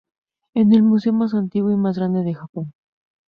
Es el museo más antiguo y más grande de Japón.